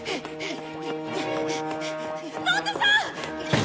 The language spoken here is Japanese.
ロッテさん！